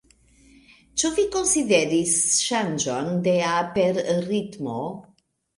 Ĉu vi konsideris ŝanĝon de aperritmo?